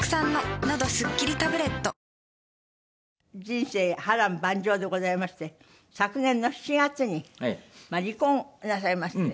人生波瀾万丈でございまして昨年の７月に離婚なさいまして。